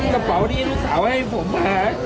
กระเป๋าที่ลูกสาวให้ผมมา